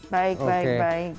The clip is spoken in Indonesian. baik baik baik